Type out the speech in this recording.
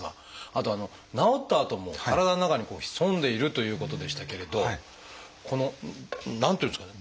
あと治ったあとも体の中に潜んでいるということでしたけれどこの何ていうんですかね